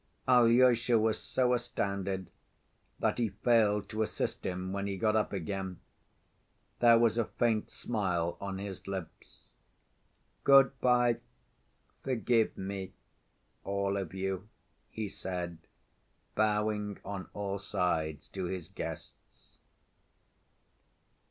Alyosha was so astounded that he failed to assist him when he got up again. There was a faint smile on his lips. "Good‐by! Forgive me, all of you!" he said, bowing on all sides to his guests.